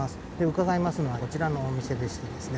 伺いますのはこちらのお店でしてですね